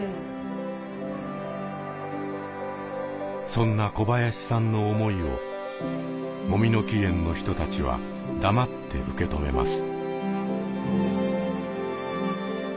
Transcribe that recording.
そんな小林さんの思いをもみの木苑の人たちは黙って受け止めます。